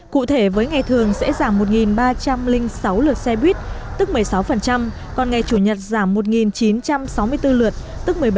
cụ thể với ngày thường sẽ giảm một ba trăm linh sáu lượt xe buýt tức một mươi sáu còn ngày chủ nhật giảm một chín trăm sáu mươi bốn lượt tức một mươi bảy